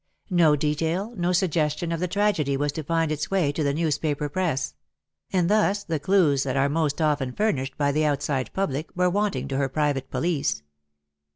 No detail, no suggestion of the tragedy was to find its way to the newspaper press; and thus the clues that are most often furnished by the outside public were wanting to her private police.